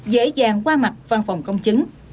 dễ dàng qua mặt văn phòng công chứng